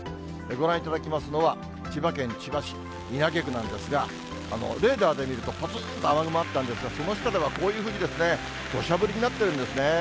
ご覧いただきますのは、千葉県千葉市稲毛区なんですが、レーダーで見ると、ぽつんと雨雲があったんですが、その下ではこういうふうにどしゃ降りになってるんですね。